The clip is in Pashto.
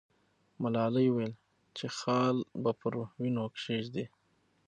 ملالۍ وویل چې خال به پر وینو کښېږدي.